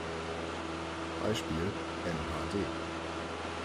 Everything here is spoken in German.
Beispiel: mhd.